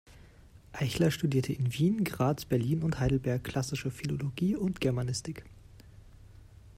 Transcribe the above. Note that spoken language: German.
Eichler studierte in Wien, Graz, Berlin und Heidelberg Klassische Philologie und Germanistik.